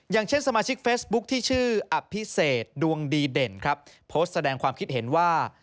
อย่างเช่นสมาชิกเฟซบุ๊คที่ชื่ออภิเศษดวงดีเด่นครับโพสต์แสดงความคิดเห็นว่า